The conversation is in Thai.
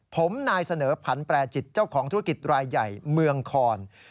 ผมนายเสนอผันแปรจิตเจ้าของธุรกิจรายใหญ่เมืองคอน